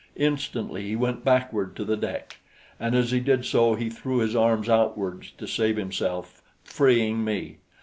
Instantly he went backward to the deck, and as he did so he threw his arms outwards to save himself, freeing me.